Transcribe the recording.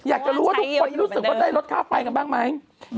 อยากจะรู้ว่าทุกคนรู้สึกว่าได้ลดค่าไฟกันบ้างไหม